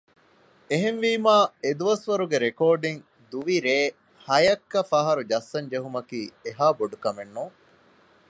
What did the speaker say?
އެހެންވީމާ އެދުވަސްވަރުގެ ރެކޯޑިންގ ދުވި ރޭ ހަޔެއްކަފަހަރު ޖައްސަން ޖެހުމަކީ އެހާ ބޮޑުކަމެއް ނޫން